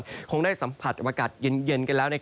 หานะครคงได้สัมผัสอวกัดเย็นกันแล้ว